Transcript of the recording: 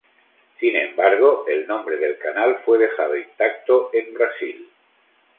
Sin embargo, el nombre del canal fue dejado intacto en Brasil.